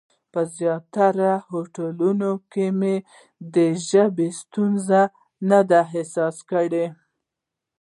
په زیاترو هوټلونو کې مې د ژبې ستونزه نه ده احساس کړې.